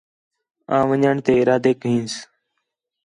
آں ون٘ڄݨ تے ارادیک ہنس